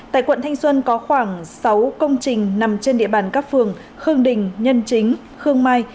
tại quận thanh xuân có khoảng sáu công trình nằm trên địa bàn các phường khương đình nhân chính khương mai